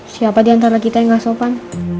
siapa diantara kita yang gak sopan